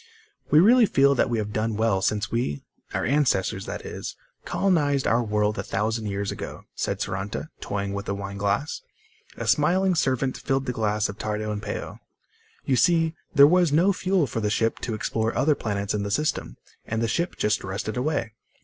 "We really feel that we have done well since we ... our ancestors, that is ... colonized our world a thousand years ago," said Saranta, toying with a wineglass. A smiling servant filled the glasses of Tardo and Peo. "You see, there was no fuel for the ship to explore other planets in the system, and the ship just rusted away.